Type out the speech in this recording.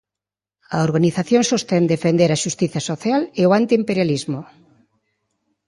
A organización sostén defender a xustiza social e o antiimperialismo.